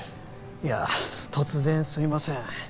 いや突然すいません